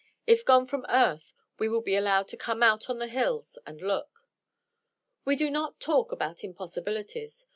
If gone from earth, we will be allowed to come out on the hills and look. We do not talk about impossibilities.